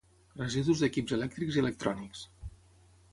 Residus d'equips elèctrics i electrònics.